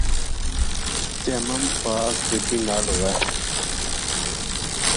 تیمم پاک مٹٰی نال ہووے۔